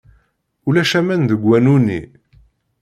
Ulac aman deg wanu-nni.